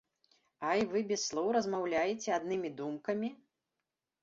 А й вы без слоў размаўляеце, аднымі думкамі?